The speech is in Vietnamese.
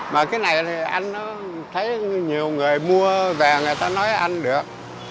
mà cái này thì ăn thấy nhiều người mua và người ta nói ăn được